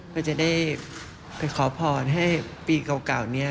เพื่อจะได้ไปขอพรให้ปีเก่านี้